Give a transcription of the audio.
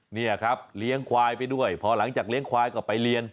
เนี่ยครับเลี้ยงควายไปด้วยพอหลังจากเลี้ยงควายก็ไปเรียน